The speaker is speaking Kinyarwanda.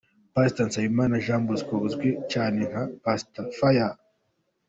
Pastor Nsabimana Jean Bosco uzwi cyane nka Pastor Fire.